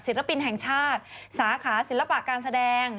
ศิลปินแห่งชาติสาขาศิลปะการแสดง